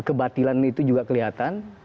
kebatilan itu juga kelihatan